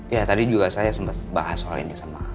ya tadi juga saya sempat bahas soal ini sama